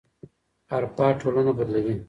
حرفه ټولنه بدلوي.